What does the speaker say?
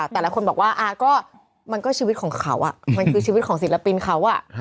แต่ละคนบอกว่าก็มันก็ชีวิตของเขามันคือชีวิตของศิลปินเขา